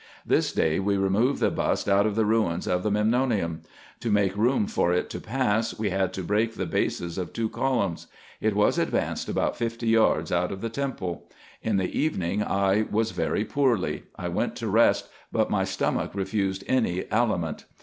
This day we removed the bust out of the ruins of the Memnonium. To make room for it to pass, we had to break the bases of two columns. It was advanced about fifty yards out of the temple. In the evening I was very poorly : I went to rest, but my stomach refused any aliment.